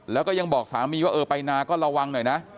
แล้วก็ยังบอกสามีว่าเออไปนาก็ระวังหน่อยนะ